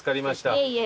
いえいえ。